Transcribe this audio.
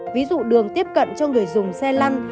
ví dụ đường tiếp cận cho người dùng xe lăn